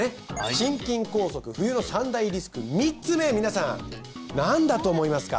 心筋梗塞冬の３大リスク３つ目皆さん何だと思いますか？